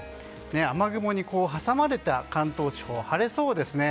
雨雲に挟まれた関東地方晴れそうですね。